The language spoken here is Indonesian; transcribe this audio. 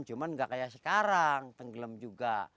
cuma nggak kayak sekarang tenggelam juga